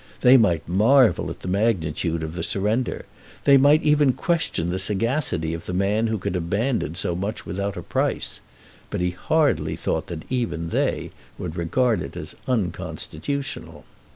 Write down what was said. They might marvel at the magnitude of the surrender. They might even question the sagacity of the man who could abandon so much without a price. But he hardly thought that even they would regard it as unconstitutional.